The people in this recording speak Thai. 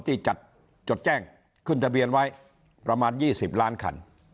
ที่จัดจดแจ้งขึ้นทะเบียนไว้ประมาณ๒๐ล้านคัน